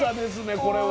これは。